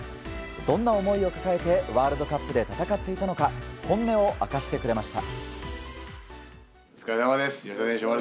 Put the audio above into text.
どんな思いを抱えてワールドカップで戦っていたのか本音を明かしてくれました。